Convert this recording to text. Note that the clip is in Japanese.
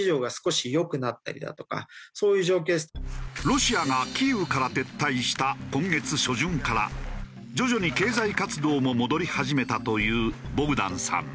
ロシアがキーウから撤退した今月初旬から徐々に経済活動も戻り始めたと言うボグダンさん。